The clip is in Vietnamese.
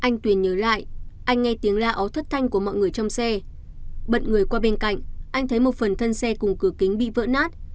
anh tuyền nhớ lại anh nghe tiếng la ấu thất thanh của mọi người trong xe bận người qua bên cạnh anh thấy một phần thân xe cùng cửa kính bị vỡ nát